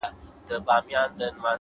زما له زړه څخه غمونه ولاړ سي ـ